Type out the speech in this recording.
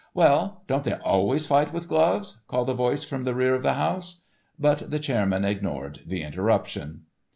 "Well, don't they always fight with gloves?" called a voice from the rear of the house. But the chairman ignored the interruption.